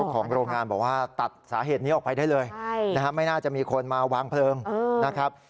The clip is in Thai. ของโรงงานบอกว่าตัดสาเหตุนี้ออกไปได้เลยไม่น่าจะมีคนมาวางเพลิงนะครับ